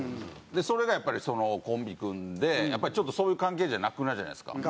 でそれがやっぱりコンビ組んでちょっとそういう関係じゃなくなるじゃないですか。